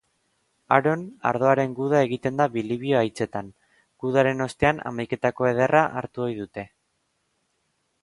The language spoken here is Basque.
Haron, ardoaren guda egiten da Bilibio aitzetan. Gudaren ostean, hamaiketako ederra hartu ohi dute.